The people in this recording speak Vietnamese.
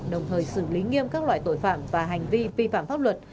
đồng thời xử lý nghiêm các loại tội phạm và hành vi vi phạm pháp luật